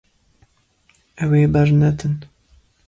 Ew ê bernedin.